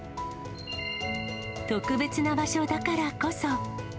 特別な場所だからこそ。